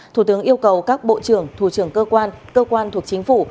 thủ tướng yêu cầu các bộ trưởng thủ trưởng cơ quan cơ quan thuộc chính phủ